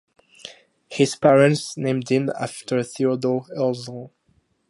His parents named him after Theodor Herzl.